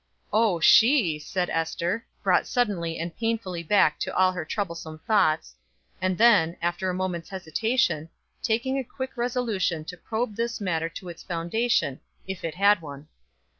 "Oh she!" said Ester, brought suddenly and painfully back to all her troublesome thoughts and then, after a moment's hesitation, taking a quick resolution to probe this matter to its foundation, if it had one.